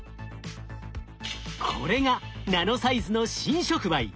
これがナノサイズの新触媒。